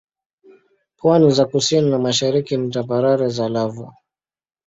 Pwani za kusini na mashariki ni tambarare za lava.